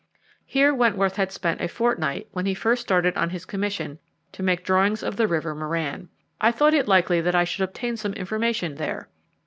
Here Wentworth had spent a fortnight when he first started on his commission to make drawings of the river Merran. I thought it likely that I should obtain some information there.